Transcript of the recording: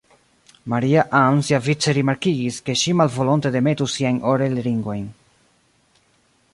Maria-Ann siavice rimarkigis, ke ŝi malvolonte demetus siajn orelringojn.